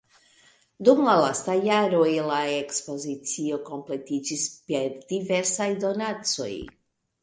Dum la lastaj jaroj la ekspozicio kompletiĝis per diversaj donacoj.